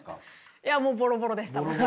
いやもうボロボロでしたもちろん。